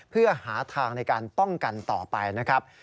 เพื่อหาทางในการป้องกันต่อไปนะครับ